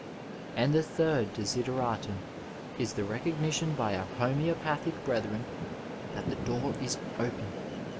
And the third d^deratum is the recognitippi by our homoeopathic brethren that the door is open.